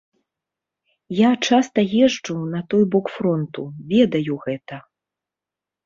Я часта езджу на той бок фронту, ведаю гэта.